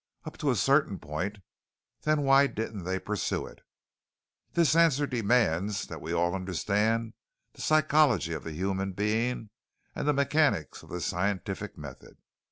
"Up to a certain point." "Then why didn't they pursue it?" "This answer demands that we all understand the psychology of the human being and the mechanics of the scientific method.